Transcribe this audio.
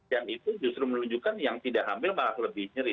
itu justru menunjukkan yang tidak hamil malah lebih nyeri